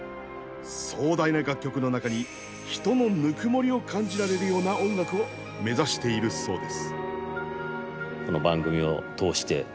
壮大な楽曲の中に人のぬくもりを感じられるような音楽を目指しているそうです。